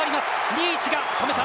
リーチが止めた。